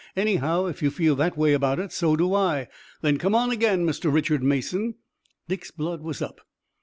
Anyhow, if you feel that way about it, so do I. Then come on again, Mr. Richard Mason." Dick's blood was up.